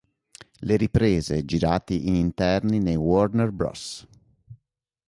Le riprese, girate in interni nei Warner Bros.